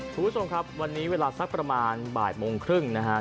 คุณผู้ชมครับวันนี้เวลาสักประมาณบ่ายโมงครึ่งนะฮะ